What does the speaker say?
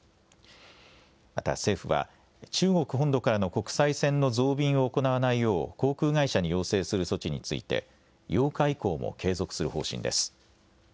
また、政府は中国本土からの国際線の増便を行わないよう、航空会社に要請する措置について、８日以降も継続する方針です。